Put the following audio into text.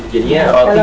jadinya roti gini luti